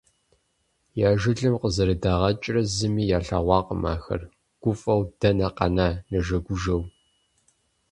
Я жылэм къызэрыдагъэкӀрэ зыми илъэгъуакъым ахэр, гуфӀэу дэнэ къэна, нэжэгужэу.